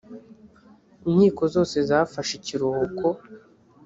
inkiko zose zafashe ikiruhuko